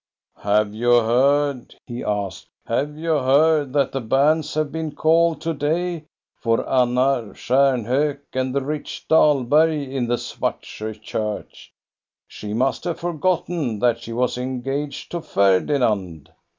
'* Have you heard," he asked, —" have you heard that the banns have been called to day for Anna Stjarnhok and the rich Dahlberg in the Svartsjo church? She must have forgotten that she was engaged TO Ferdinand."